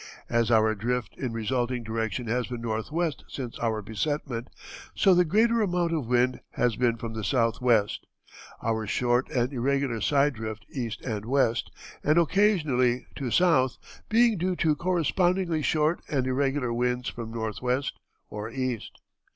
As our drift in resulting direction has been northwest since our besetment, so the greater amount of wind has been from the southeast; our short and irregular side drift east and west, and occasionally to south, being due to correspondingly short and irregular winds from northwest or east."